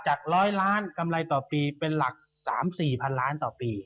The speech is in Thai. ๑๐๐ล้านกำไรต่อปีเป็นหลัก๓๔พันล้านต่อปี